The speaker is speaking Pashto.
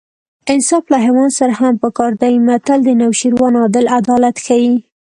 انصاف له حیوان سره هم په کار دی متل د نوشیروان عادل عدالت ښيي